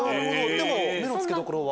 でも目の付けどころは。